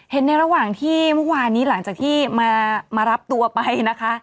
ในระหว่างที่เมื่อวานนี้หลังจากที่มารับตัวไปนะคะ